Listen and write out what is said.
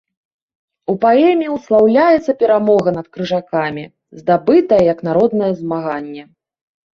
У паэме услаўляецца перамога над крыжакамі, здабытая як народнае змаганне.